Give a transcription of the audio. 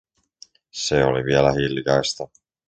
Se oli vielä hiljaista.